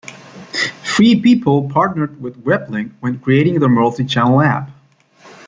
Free People partnered with WebLinc when creating their multichannel app.